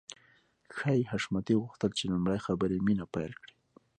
ښايي حشمتي غوښتل چې لومړی خبرې مينه پيل کړي.